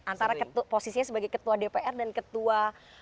antara posisinya sebagai ketua dpr dan ketua